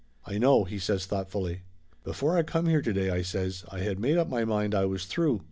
"I know !" he says thoughtfully. "Before I come here to day," I says, "I had made up my mind I was through.